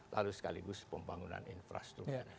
lalu sekaligus pembangunan infrastruktur